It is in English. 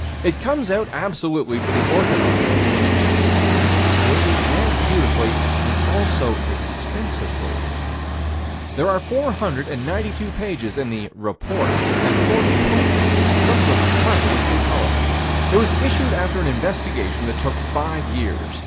It comes out absolutely for the orthodox explanation absolutely and beautifully, also expensively. There are 492 pages in the "Report," and 40 plates, some of them marvelously colored. It was issued after an investigation that took five years.